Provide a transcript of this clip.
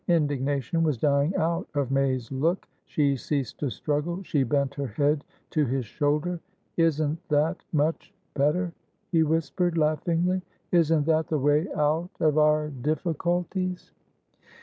Indignation was dying out of May's look. She ceased to struggle, she bent her head to his shoulder. "Isn't that much better?" he whispered, laughingly. "Isn't that the way out of our difficulties?"